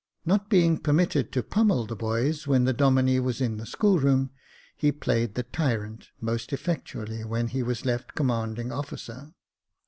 Not being permitted to pummel the boys when the Domine was in the school room, he played the tyrant 26 Jacob Faithful most effectually when he was left commanding officer.